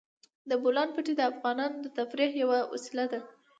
د بولان پټي د افغانانو د تفریح یوه وسیله ده.